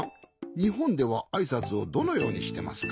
にほんではあいさつをどのようにしてますか？